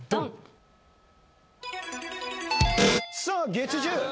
月１０！